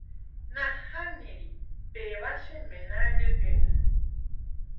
Nahániri, péva che ména ryke'y.